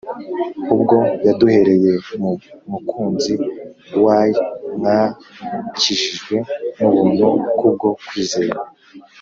ubwo yaduhereye mu Mukunzi wayMwakijijwe n'ubuntu kubwo kwizera: